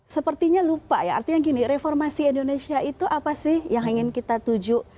sepertinya lupa ya artinya gini reformasi indonesia itu apa sih yang ingin kita tuju